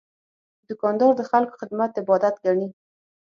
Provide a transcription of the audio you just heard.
دوکاندار د خلکو خدمت عبادت ګڼي.